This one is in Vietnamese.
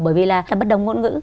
bởi vì là bất đồng ngôn ngữ